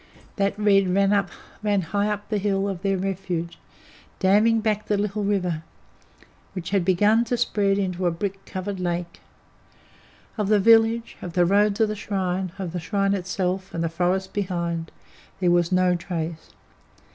That red ran high up the hill of their refuge, damming back the little river, which had begun to spread into a brick coloured lake. Of the village, of the road to the shrine, of the shrine itself, and the forest behind, there was no trace.